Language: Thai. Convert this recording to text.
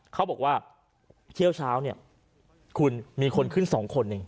เขาบอกว่าเที่ยวเช้าเนี่ยคุณมีคนขึ้น๒คนหนึ่ง